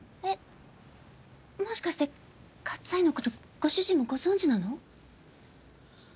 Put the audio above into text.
えっもしかしてカッツ・アイのことご主人もご存じなの？